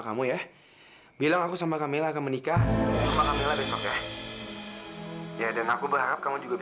kita semua diundang